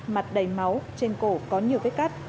mặt đầy máu trên cổ có nhiều vết cắt